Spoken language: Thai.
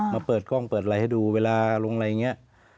มาเปิดกล้องเปิดอะไรให้ดูเวลาลงอะไรอย่างนี้